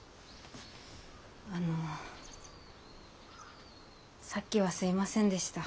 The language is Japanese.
あのさっきはすいませんでした。